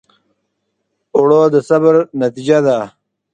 اوړه د صبر نتیجه ده